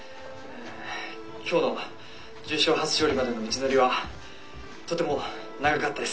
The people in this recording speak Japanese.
今日の重賞初勝利までの道のりはとても長かったです。